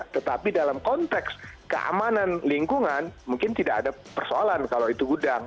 tetapi dalam konteks keamanan lingkungan mungkin tidak ada persoalan kalau itu gudang